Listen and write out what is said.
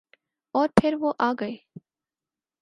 اورپھر وہ آگئے۔